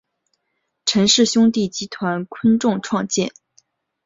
陈氏兄弟集团昆仲创建。